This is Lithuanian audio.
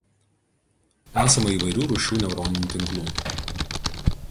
Esama įvairių rūšių neuroninių tinklų.